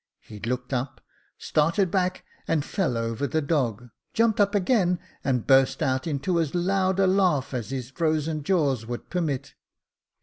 He looked up, started back, and fell over the dog — jumped up again, and burst out into as loud a laugh as his frozen jaws would permit.